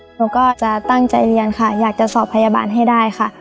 หนูก็จะตั้งใจเรียนค่ะอยากจะสอบพยาบาลให้ได้ค่ะ